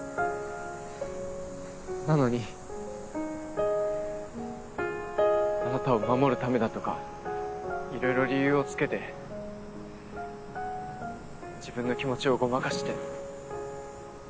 なのにあなたを守るためだとかいろいろ理由をつけて自分の気持ちをごまかして。